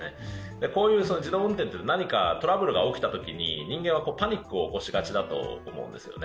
こういう自動運転というのは何かトラブルが起きたときに、人間はパニックを起こしがちだと思うんですよね。